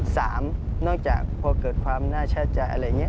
สามนอกจากพอเกิดความหน้าชาติใจอะไรอย่างนี้